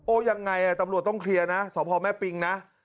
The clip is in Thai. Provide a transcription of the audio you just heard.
ยังไงตำรวจต้องเคลียร์นะสพแม่ปิงนะ